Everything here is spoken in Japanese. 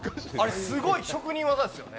すごい職人技ですよね。